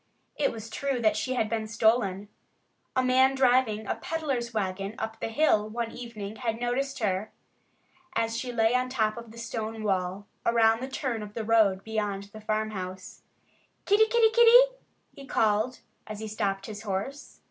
It was true that she had been stolen. A man driving a peddler's wagon up the hill one evening had noticed her as she lay on top of the stone wall, around the turn of the road beyond the farmhouse. "Kitty! Kitty! Kitty!" he called, as he stopped his horse.